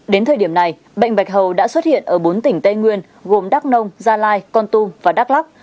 đến thời điểm này bệnh bạch hầu đã xuất hiện ở bốn tỉnh tây nguyên gồm đắk nông gia lai con tum và đắk lắc